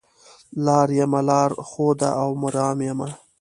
لار یمه لار ښوده او مرام یمه